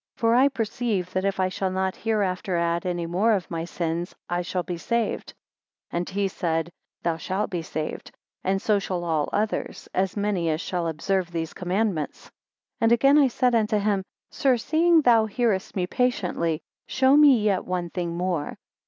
For I perceive that if I shall not hereafter add any more of my sins, I shall be saved. 24 And he said, Thou shalt be saved: and so shall all others, as many as shall observe these commandments. 25 And again I said unto him, Sir, seeing thou hearest me patiently, show me yet one thing more.